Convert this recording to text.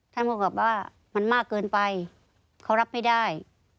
ท่านผู้กำกับว่ามันมากเกินไปเขารับไม่ได้